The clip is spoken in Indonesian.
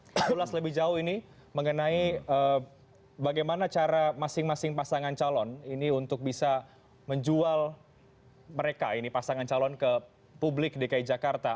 kita ulas lebih jauh ini mengenai bagaimana cara masing masing pasangan calon ini untuk bisa menjual mereka ini pasangan calon ke publik dki jakarta